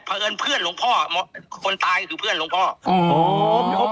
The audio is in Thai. เผลอเอิญเพื่อนหลวงพ่อคนตายคือเพื่อนหลวงพ่ออ๋ออ๋อ